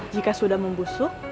jika sudah membusuk